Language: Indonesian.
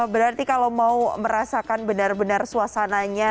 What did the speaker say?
berarti kalau mau merasakan benar benar suasananya